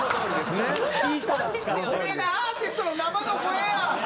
これがアーティストの生の声や！